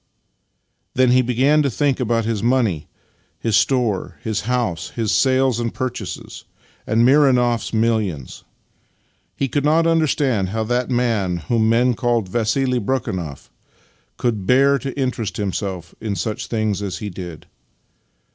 " Then he began to think about his money, his store, his house, his sales and purchases, and Mironoff's millions. He could not understand how that man whom men called Vassili Brekhunoff could bear to interest himself in such things as he did.